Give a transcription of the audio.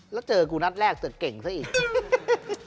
แล้วเจอกูนัดแรกเสร็จเก่งซะอีก